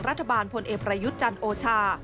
รัฐบาลพลเอปรยุทธ์จันทร์โอชา